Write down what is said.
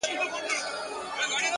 كه خپلوې مي نو در خپل مي كړه زړكيه زما،